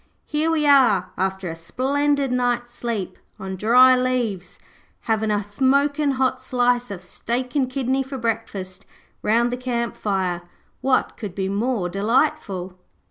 Here we are, after a splendid night's sleep on dry leaves, havin' a smokin' hot slice of steak and kidney for breakfast round the camp fire. What could be more delightful?'